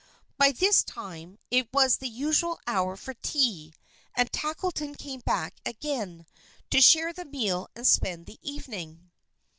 By this time, it was the usual hour for tea, and Tackleton came back again, to share the meal and spend the evening.